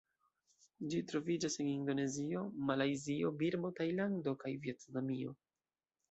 Ĝi troviĝas en Indonezio, Malajzio, Birmo, Tajlando kaj Vjetnamio.